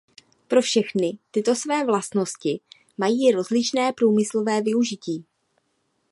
Pro všechny tyto své vlastnosti mají rozličné průmyslové využití.